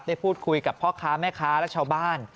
ได้พูดคุยกับพ่อค้าแม่ค้าและชาวบ้าน